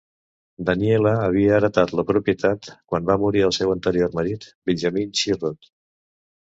Daniella havia heretat la propietat quan va morir el seu anterior marit, Benjamin Sherrod.